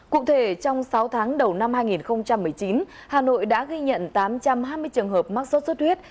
cụ thể trong sáu tháng đầu năm hai nghìn một mươi chín hà nội đã ghi nhận tám trăm hai mươi trường hợp mắc sốt xuất huyết